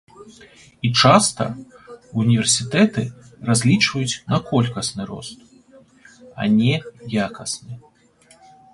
І часта ўніверсітэты разлічваюць на колькасны рост, а не якасны.